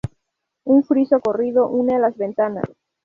Un friso corrido une las ventanas.